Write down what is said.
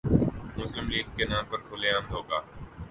مسلم لیگ کے نام پر کھلے عام دھوکہ ۔